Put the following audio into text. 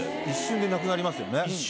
一瞬でなくなりますよね。